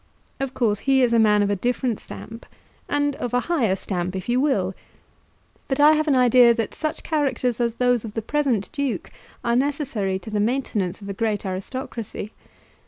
Of course he is a man of a different stamp, and of a higher stamp, if you will. But I have an idea that such characters as those of the present Duke are necessary to the maintenance of a great aristocracy.